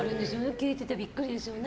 聞いててびっくりですよね。